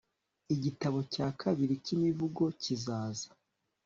igitabo cya kabiri cyimivugo kizaza